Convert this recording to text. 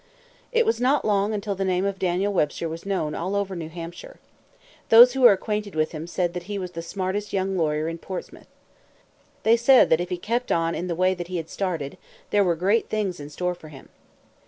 It was not long until the name of Daniel Webster was known all over New Hampshire. Those who were acquainted with him said that he was the smartest young lawyer in Portsmouth. They said that if he kept on in the way that he had started, there were great things in store for him.